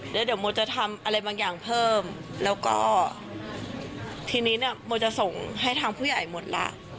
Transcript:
เดี๋ยวโมจะทำอะไรบางอย่างเพิ่มแล้วก็ทีนี้เนี่ยโมจะส่งให้ทางผู้ใหญ่หมดละ